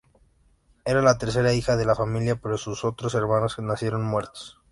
Era la tercera hija de la familia, pero sus otros hermanos nacieron muertos.